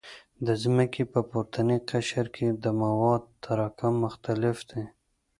د ځمکې په پورتني قشر کې د موادو تراکم مختلف دی